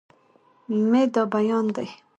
مې دا بيان دی